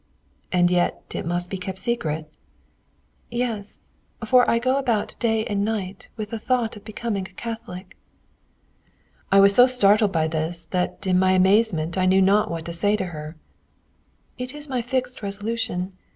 "And yet it must be kept secret?" "Yes, for I go about day and night with the thought of becoming a Catholic." I was so startled by this, that in my amazement I knew not what to say to her. "It is my fixed resolution.